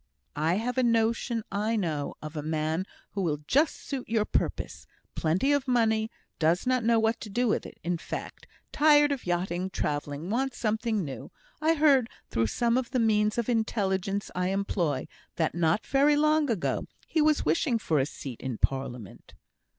"I have a notion I know of a man who will just suit your purpose. Plenty of money does not know what to do with it, in fact tired of yachting, travelling; wants something new. I heard, through some of the means of intelligence I employ, that not very long ago he was wishing for a seat in Parliament."